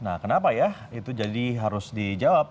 nah kenapa ya itu jadi harus dijawab